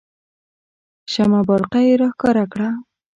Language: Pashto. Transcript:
شمه بارقه یې راښکاره کړه.